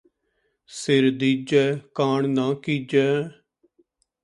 ਸਿਰੁ ਦੀਜੈ ਕਾਣਿ ਨ ਕੀਜੈ